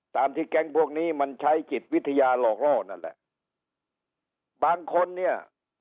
ตามที่แก๊งพวกนี้มันใช้จิตวิทยาหลอกล่อนั่นแหละบางคนเนี่ย